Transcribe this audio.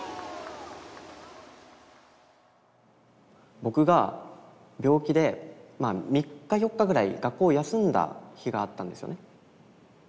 僕が病気で３４日ぐらい学校を休んだ日があったんですよね。